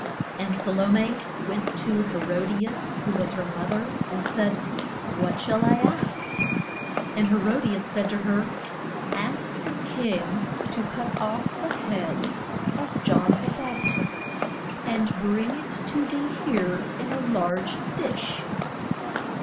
And Sa lo me went to He ro di as who was her mo ther and said, What shall I ask? And He ro di as said to her, Ask the king to cut off the head of John the Bap tist, and bring it to thee here in a large dish.